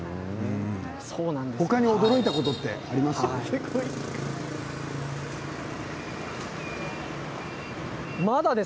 他に驚いたことってあります？